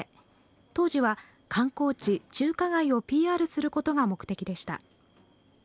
当時は観光地、中華街をＰＲすることが目的でした。